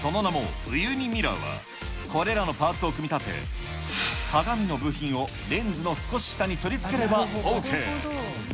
九州は熊本の会社が作ったその名もウユニミラーは、これらのパーツを組み立て、鏡の部品をレンズの少し下に取り付ければＯＫ。